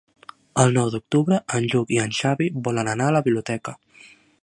El nou d'octubre en Lluc i en Xavi volen anar a la biblioteca.